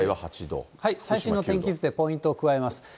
最新の天気図でポイントを加えます。